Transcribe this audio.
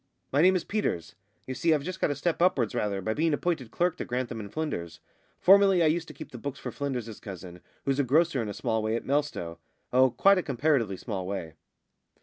"My name is Peters. You see, I've just got a step upwards rather, by being appointed clerk to Grantham & Flynders. Formerly, I used to keep the books for Flynders's cousin, who's a grocer in a small way at Melstowe oh, quite a comparatively small way."